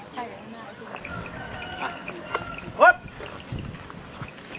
สวัสดีครับทุกคน